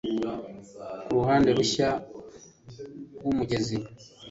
Kuruhande rushya rwumugezi